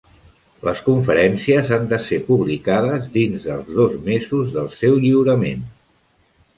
Les conferències han de ser publicades dins dels dos mesos del seu lliurament.